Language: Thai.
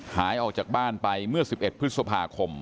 หายออกจากบ้านไปเมื่อ๑๑พฤษภาคม